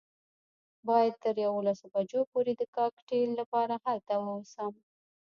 باید تر یوولسو بجو پورې د کاکټیل لپاره هلته ووسم.